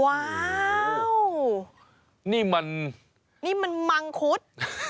ว้าวนี่มันนี่มันมังคุด